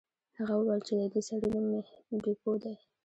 هغه وویل چې د دې سړي نوم بیپو دی.